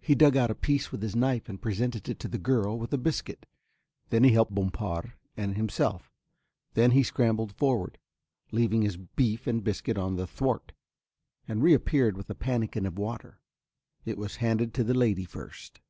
He dug out a piece with his knife and presented it to the girl with a biscuit, then he helped Bompard and himself, then he scrambled forward, leaving his beef and biscuit on the thwart, and reappeared with a pannikin of water; it was handed to the lady first.